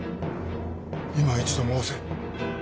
いま一度申せ。